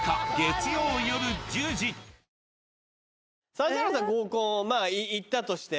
指原さん合コンまあ行ったとして。